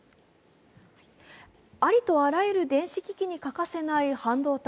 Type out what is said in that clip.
ありとあらゆる電子機器に欠かせない半導体。